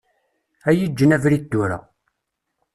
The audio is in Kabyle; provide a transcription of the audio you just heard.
Ad yi-ğğen abrid tura.